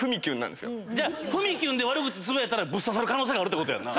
じゃあふみきゅんで悪口つぶやいたらぶっ刺さる可能性あるってことやんな。